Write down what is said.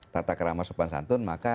tata kerama sopan santun maka